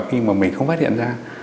khi mà mình không phát hiện ra